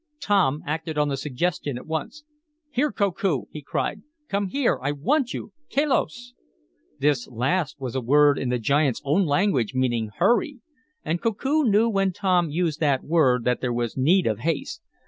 Tom acted on the suggestion at once. "Here, Koku!" he cried. "Come here, I want you! Kelos!" This last was a word in the giant's own language, meaning "hurry." And Koku knew when Tom used that word that there was need of haste.